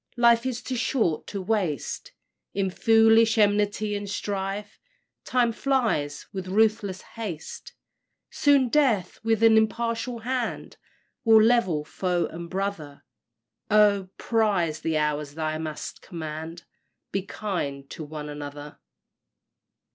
Life is too short to waste In foolish enmity and strife, Time flies with ruthless haste; Soon death with an impartial hand Will level foe and brother, Oh! prize the hours thou mayst command Be kind to one another!